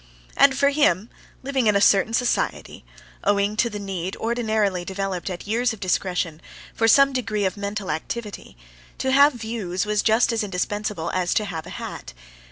And for him, living in a certain society—owing to the need, ordinarily developed at years of discretion, for some degree of mental activity—to have views was just as indispensable as to have a hat.